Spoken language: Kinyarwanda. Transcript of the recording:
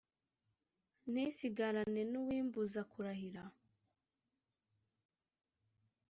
ntisigarane n’uw’imbuza kurahira ?